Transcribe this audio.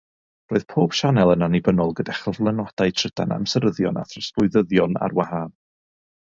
Roedd pob sianel yn annibynnol gyda chyflenwadau trydan, amseryddion a throsglwyddyddion ar wahân.